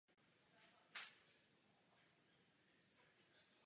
Vyznačuje se fyzickým stylem hry.